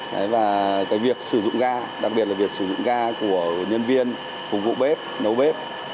đấy và cái việc sử dụng ga đặc biệt là việc sử dụng ga của nhân viên phục vụ bếp nấu bếp